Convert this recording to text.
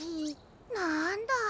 なんだ。